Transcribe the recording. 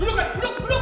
duduk ayo duduk duduk